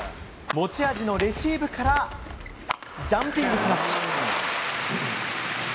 持ち味のレシーブから、ジャンピングスマッシュ。